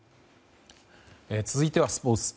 続いてはスポーツ。